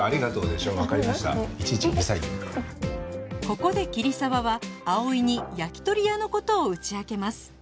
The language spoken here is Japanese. ここで桐沢は葵に焼き鳥屋の事を打ち明けます